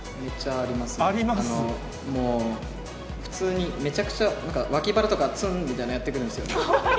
もう、普通にめちゃくちゃ、脇腹とか、つーんみたいなのをやってくるんですよ。